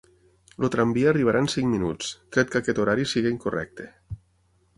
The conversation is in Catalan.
El tramvia arribarà en cinc minuts, tret que aquest horari sigui incorrecte.